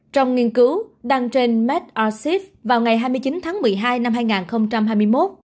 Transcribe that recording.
trong nghiên cứu đăng trên made arsef vào ngày hai mươi chín tháng một mươi hai năm hai nghìn hai mươi một